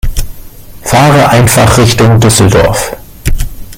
Fahre einfach Richtung Düsseldorf